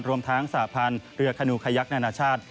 รวมทั้งสาพันธ์เรือขนูขยักนานาชาติ